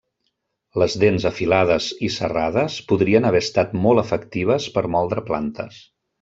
Les dents afilades i serrades podrien haver estat molt efectives per moldre plantes.